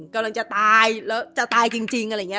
กำลังจะตายแล้วจะตายจริงอะไรอย่างนี้